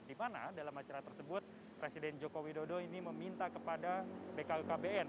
di mana dalam acara tersebut presiden joko widodo ini meminta kepada bkkbn